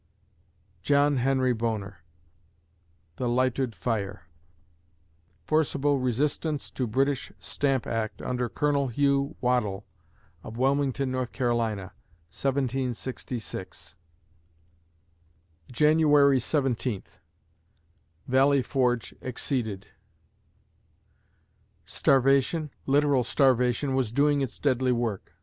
JOHN HENRY BONER (The Light'ood Fire) Forcible resistance to British Stamp Act under Colonel Hugh Waddell, of Wilmington, N. C., 1766 January Seventeenth VALLEY FORGE EXCEEDED Starvation, literal starvation, was doing its deadly work.